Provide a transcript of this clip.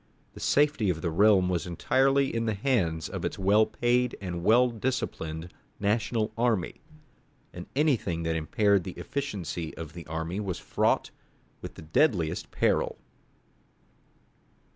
The safety of the realm was entirely in the hands of its well paid and well disciplined national army, and anything that impaired the efficiency of the army was fraught with the deadliest peril.